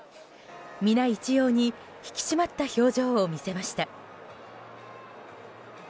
皆一様に引き締まった表情を見せました。